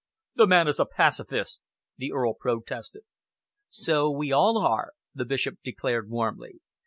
"The man is a pacifist!" the Earl protested. "So we all are," the Bishop declared warmly.